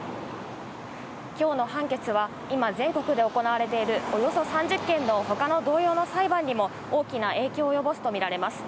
きょうの判決は、今、全国で行われているおよそ３０件のほかの同様の裁判にも大きな影響を及ぼすと見られます。